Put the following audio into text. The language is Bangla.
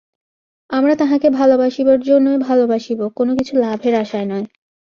আমরা তাঁহাকে ভালবাসিবার জন্যই ভালবাসিব, কোন কিছু লাভের আশায় নয়।